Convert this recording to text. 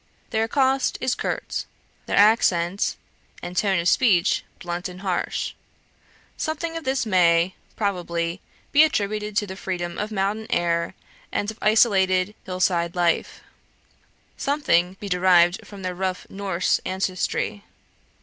Their accost is curt; their accent and tone of speech blunt and harsh. Something of this may, probably, be attributed to the freedom of mountain air and of isolated hill side life; something be derived from their rough Norse ancestry.